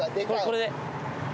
これで。